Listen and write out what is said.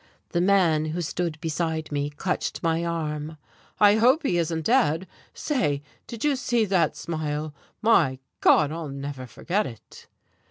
The man who stood beside me clutched my arm. "I hope he isn't dead! Say, did you see that smile? My God, I'll never forget it!"